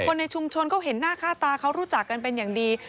คนในชุมชนเขาเห็นหน้าค่าตาเขารู้จักกันเป็นอย่างดี